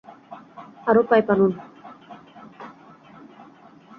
আরো পাইপ আনুন!